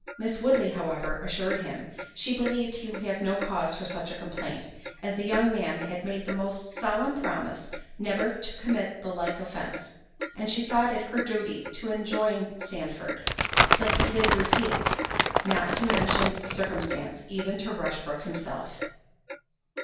Miss Woodley, however, assured him, she believed he would have no cause for such a complaint, as the young man had made the most solemn promise never to commit the like offence; and she thought it her duty to enjoin Sandford, till he did repeat it, not to mention the circumstance, even to Rushbrook himself.